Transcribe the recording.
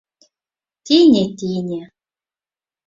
Тине, тине.